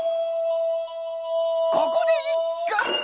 ここでいっく。